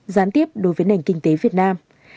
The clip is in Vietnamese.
gián tiếp đối với nền kinh tế việt nam